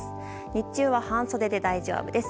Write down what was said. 日中は半袖で大丈夫です。